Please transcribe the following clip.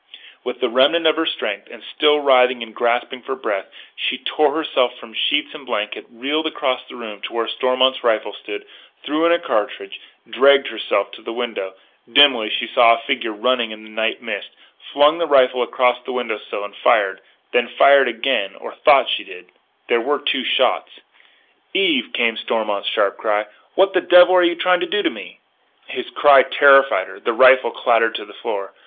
With the remnant of her strength, and still writhing and gasping for breath, she tore herself from the sheets and blankets, reeled across the room to where Stormont's rifle stood, threw in a cartridge, dragged herself to the window. Dimly she saw a running figure in the night mist, flung the rifle across the window sill and fired. Then she fired again or thought she did. There were two shots. "Eve!" came Stormont's sharp cry, "what the devil are you trying to do to me?" His cry terrified her; the rifle clattered to the floor.